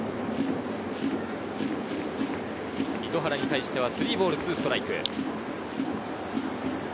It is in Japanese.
糸原に対しては３ボール２ストライク。